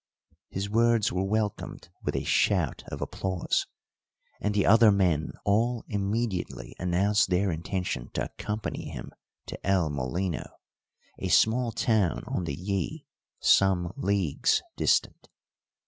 His words were welcomed with a shout of applause, and the other men all immediately announced their intention to accompany him to El Molino, a small town on the Yí some leagues distant.